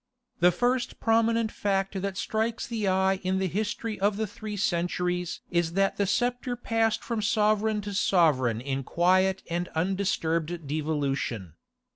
The first prominent fact that strikes the eye in the history of the three centuries is that the sceptre passed from sovereign to sovereign in quiet and undisturbed devolution.